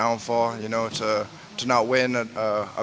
untuk tidak menang di pertandingan